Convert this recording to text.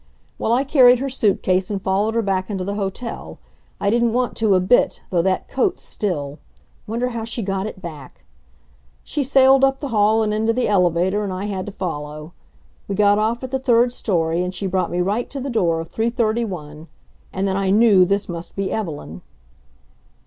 Well, I carried her suit case and followed her back into the hotel. I didn't want to a bit, though that coat still wonder how she got it back! She sailed up the hall and into the elevator, and I had to follow. We got of at the third story, and she brought me right to the door of 331. And then I knew this must be Evelyn.